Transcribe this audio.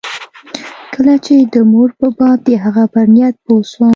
کله چې د مور په باب د هغه پر نيت پوه سوم.